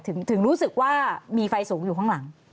ถึงรู้สึกว่ามีไฟสูงอยู่ข้างหลัง